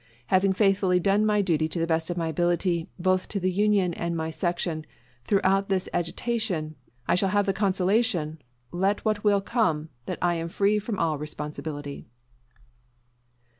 Having faithfully done my duty to the best of my ability, both to the Union and my section, throughout this agitation, I shall have the consolation, let what will come, that I am free from all responsibility.